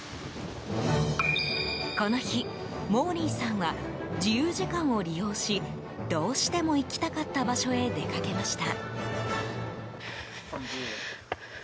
この日、モーリーさんは自由時間を利用しどうしても行きたかった場所へ出かけました。